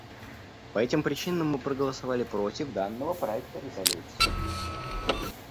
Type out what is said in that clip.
По этим причинам мы проголосовали против данного проекта резолюции.